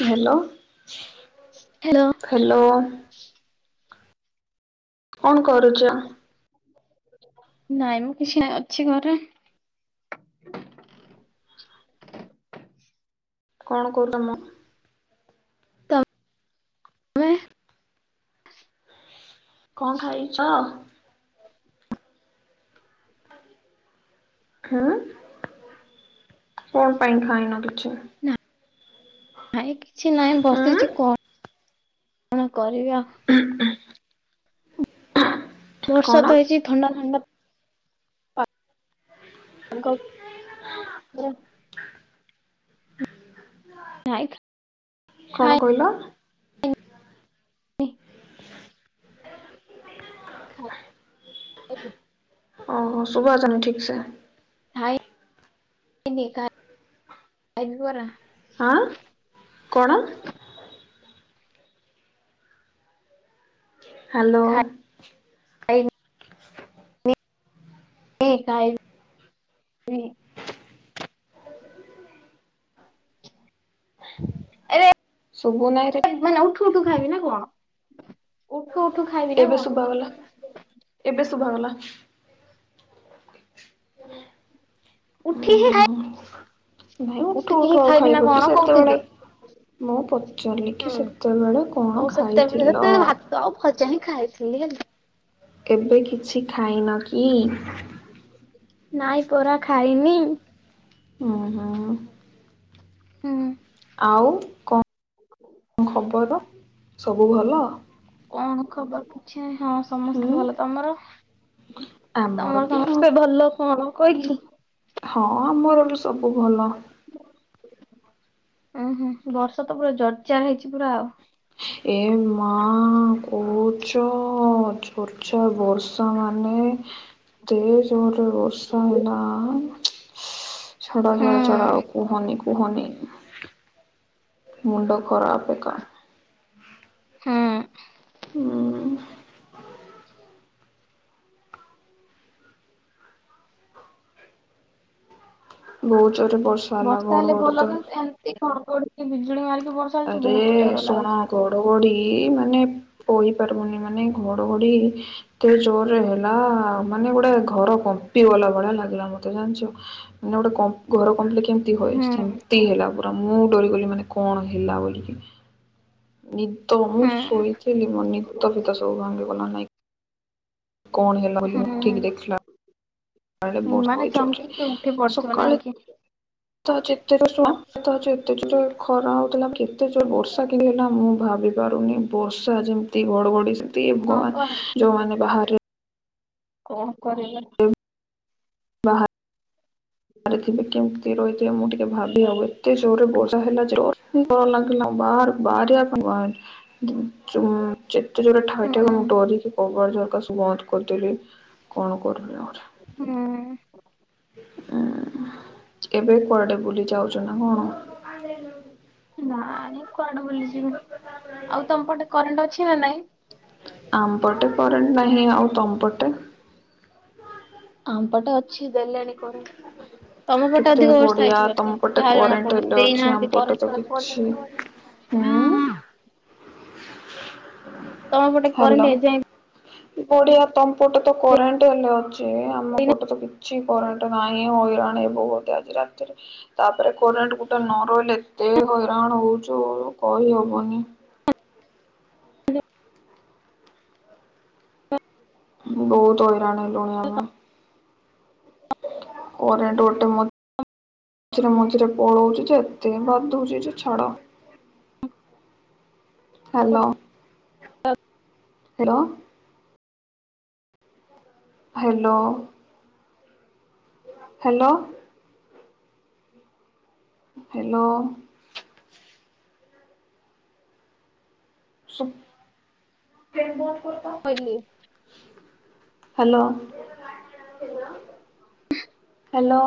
Hello. Hello. Hello. କଣ କରୁଚ଼? ନାଇଁ ମୁଁ କିଛି ନାଇଁ ଅଛି ଘରେ। କଣ କରୁ ତମ? ବେ [unintelligible] କଣ ଖାଇଛ? ହୁଁ କଣ ପାଇଁ ଖାଇନ କିଛି? ନାଇଁ କିଛି ନାହିଁ ହୁଁ ବସିଛି କଅ କଣ କରିବି ଆଉ। ବର୍ଷା କଣ? ତ ହେଇଛି ଥଣ୍ଡା ଥଣ୍ଡା ପାଗ [inaudible] ନାଇଖ୍ କଣ କହିଲ? ଇହ ଖାଇନି ହଁ ହ ଶୁଦ୍ଭା ଯାଉନି ଠିକ୍ସେ। ଖାଇନି ଖାଇବି ପରା। ଆଁ କଣ? ହ୍ୟାଲୋ। ଆ ଇ ଖାଇବି। ଏ ଶୁଭୁ ନାହିଁରେ ମାନେ ଉଠୁ ଉଠୁ ଖାଇବି ନା କଣ? ଉଠୁ ଉଠୁ ଖାଇବି ନା ଏବେ କଣ? ଶୁଭଗଲା ଏବେ ଶୁଭାଗଲା। ଉଠି ଉ ହିଁ ଖାଇ ହୁଁ ନାଇଁ ଉଠୁ ଉଠିକି ହିଁ ଉଠୁ ଆଉ ଖାଇବି ନା ଖାଇବ କଣ କି କହୁଥିଲି। ସେତେବେଳେ ମୁଁ ପଚାରିଲିକି ହୁଁ ସେତେବେଳେ କଣ ଖାଇଥିଲ? ତ ଭଜା ହିଁ ଖାଇଥିଲି ହେଲ କେବେ କିଛି ଖାଇନ କି? ନାଇଁ ପୋରା ଖାଇନି। ହୁଁ ହୁଁ। ହୁଁ। ଆଉ କଁ ଖବର ସବୁ ଭଲ? କଣ ଖବର ପୁଛି ନାଇଁ ହଁ ହୁଁ ସମସ୍ତେ ଭଲ ତମର? ଆମର ତମର ବି ସମ ସମସ୍ତେ ଭଲ କଣ କହିିକି ହଁ ଆମର ଏଠୁ ସବୁ ଭଲ। ଉଁ ହୁଁ ବର୍ଷା ତ ପୁରା ଜର୍ଜାର ହେଇଚି ପୁରା ଆଉ। ଏ ମାଁ। ହ [unintelligible] କୋହୁଚୁ ଚୋର୍ଚା ବର୍ଷା ମାନେ ତେ ଜୋରରେ ବର୍ଷା ହେଲା ଛାଡ଼ ହୁଁ ଛାଡ଼ ଛାଡ଼ ଆଉ କୁହନି। କୁହନି ମୁଣ୍ଡ ଖରାପେକା ହୁଁ। ଉୁଁ। ବହୁତ୍ ଜୋରେ ବର୍ଷ୍ ବର୍ଷା ହେଲେ ଭଲ ତ ସେମ୍ ତି ଘଡଘଡିକି ବିଜୁଳି ମାରିକି ବର୍ଷା ହେଲେ ବହୁତ ଡରଲାଗୁ ପୋଡି ମାନେ ପୋହି ପାରିବୁନି ମାନେ ଘଡ଼ଘଡି ଏତେ ଜୋରରେ ହେଲା ମାନେ ଗୋଟେ ଘର କମ୍ପି ଗଲା ଭଳିଆ ଲାଗିଲା ମତେ ଜାଣିଚୁ। ମାନେ ଗୋଟେ କ ଘର କମ୍ପିଲେ କେମତି ହଏ ହୁଁ ସେମିତି ହେଲା ପୁରା ମୁଁ ଡରିଗଲି ମାନେ କଣ ହେଲା ବୋଲିକି। ନିଦ ମୁଁ ହୁଁ ଶୋଇଥିଲି ମୋ ନିଦ ଫିଦ ସବୁ ଭାଙ୍ଗିଗଲା ନାଇଁ କଣ ହେଲା ବୋଲି ଉଠିକ ଦେଖିଲା ବେଳେ ହୁଁ ମାନେ ବର୍ଷା ଜୋରରେ ଚମ୍କିକି ଉଠି ପଡୁଥୁବ ନାଇଁ ସକାଳେ କିି। ତ ଯେତେ ଜ ସୁଣ ଯେତେ ଜୋର ଖରା ହଉଥିଲା କେତେ ଜୋର ବର୍ଷା କେତି ହେଲା ମୁଁ ଭାବି ପାରୁନି ବର୍ଷା ଯେମ୍ତି ଘଡଘଡି ସେମତି ହଁ ଭଗବାନ୍ ପା ଯୋଉମାନେ ବାହାରେ କଣ କରିବା? ବାହା ବାହାରେଥିବେ କେମିତି ରହିଥିବେ ମୁଁ ଟିକେ ଭାବି ହବେ ଏତେଜୋରେ ବର୍ଷା ହେଲା ଯେ ଡର ଲାଗିଲା ବାହାରୁ ବାହାରିଆ ପା ଚୁଁ। ଯେତେ ଜୋରରେ ହୁଁ ଠାଇ ଠାଇ ମୁଁ ଡରିକି କବାଟ୍ ଝରକା ସବୁ ବନ୍ଦ କରିଦେଲି କଣ କରିବି ଆହୁରି। ହୁଁ। ଉୁଁ ଏବେ କୁଆଡେ ବୁଲି ଯାଉଚୁ ନା କଣ? ନାଇଁ କୁଆଡେ ବୁଲିଯିବି ଆଉ ତମ ପଟେ କରେଣ୍ଟ ଅଛି ନା ନାଇଁ? ଆମ୍ ପଟେ କରେଣ୍ଟ ନାହିଁ ଆଉ ତମ୍ ପଟେ? ଆମ୍ ପଟେ ଅଛି ଦେଲେଣି କରେଣ୍ଟ୍। ତମ ପଟେ କେତେ ଅଧିକ ବର୍ଷା ବଢିଆ ହେଇଛି ତମ ବଧେ ପଟେ ଯାହା ଜଣା କରେଣ୍ଟ ପଡୁ ହେଲେ ଅଛି ଆମ ଦେଇନାହାନ୍ତି ତ ପଟେ କରେଣ୍ଟ କିଛି ଏପର୍ୟ୍ୟନ୍ତ। ହୁଁ। ତମ ପଟେ ହାଲୋ କରେଣ୍ଟ ଏଯାଏଁ ବଢ଼ିଆ ତମ୍ ପଟେ ତ କରେଣ୍ଟ୍ ହେଲେ ଅଛି୍ ଯେ ଆମ ପଟେ ତ କିଛି କରେଣ୍ଟ ନାହିଁ ହଇରାଣ ହେବୁ ବୋଧେ ଆଜି ରାତିରେ। ତାପରେ କରେଣ୍ଟ୍ ଗୋଟେ ନ ରହିଲେ ଏତେ ହଇରାଣ ହଉଚୁ କହି ହବନି। ବୋହୁତ୍ ହଇରାଣ ହେଲୁଣି ଆମେ। କରେଣ୍ଟ୍ ଗୋଟେ ମ ଝିରେ ମଝିରେ ପଳୋଉଚି ଯେ ଏତେ ବାଧୁଚି ଯେ ଛାଡ। ହାଲୋ। ସେର ହ୍ୟାଲୋ। ହାଲୋ। ହେଲୋ। ଫେନ ବନ୍ଦ କରତ। କହିଲି ହାଲୋ। ହାଲୋ।